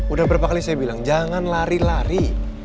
udah berapa kali saya bilang jangan lari lari